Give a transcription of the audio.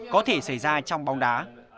có thể xảy ra trong bóng đá